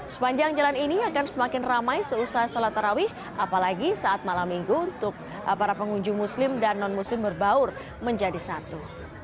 sepanjang jalan ini akan semakin ramai seusai sholat tarawih apalagi saat malam minggu untuk para pengunjung muslim dan non muslim berbaur menjadi satu